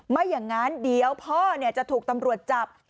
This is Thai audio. ไม่อย่างนั้นเดี๋ยวพ่อจะถูกตำรวจจับ